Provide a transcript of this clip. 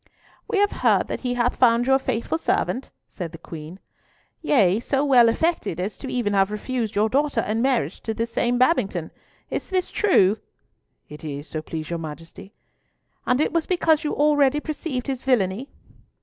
"We have heard that he hath found you a faithful servant," said the Queen, "yea, so well affected as even to have refused your daughter in marriage to this same Babington. Is this true?" "It is, so please your Majesty." "And it was because you already perceived his villainy?"